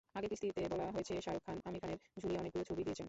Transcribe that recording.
আগের কিস্তিতে বলা হয়েছে, শাহরুখ খান আমির খানের ঝুলিতে অনেকগুলো ছবি দিয়েছেন।